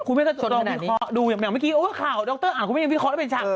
คุณไม่ได้จดลองวิเคราะห์ดูอย่างเมื่อกี้โอ๊ยข่าวดรอ่านคุณไม่ได้วิเคราะห์ได้เป็นฉาก